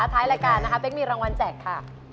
ท้ายรายการนะคะเป๊กมีรางวัลแจกค่ะ